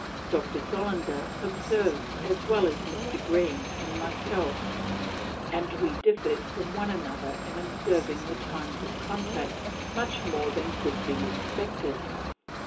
Dr. Solander observed as well as Mr. Green and myself, and we differ'd from one another in observing the times of contact much more than could be expected.